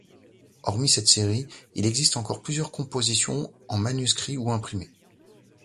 Hormis cette série, il existe encore plusieurs compositions en manuscrit ou imprimées.